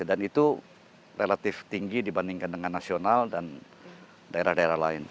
dan itu relatif tinggi dibandingkan dengan nasional dan daerah daerah lain